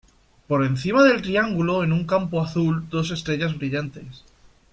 Por encima del triángulo en un campo azul dos estrellas brillantes.